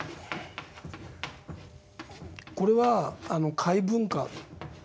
これは「下位文化」。